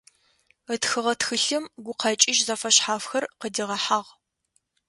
Ытхыгъэ тхылъым гукъэкӏыжь зэфэшъхьафхэр къыдигъэхьагъ.